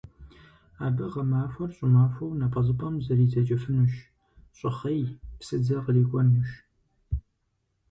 Абы гъэмахуэр щӀымахуэу напӀэзыпӀэм зридзэкӀыфынущ, щӀыхъей, псыдзэ кърикӀуэнущ.